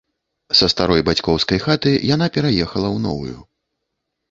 Са старой бацькоўскай хаты яна пераехала ў новую.